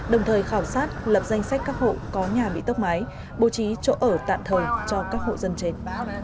đồng thời khảo sát lập danh sách các hộ có nhà bị tốc mái bố trí chỗ ở tạm thời cho các hộ dân trên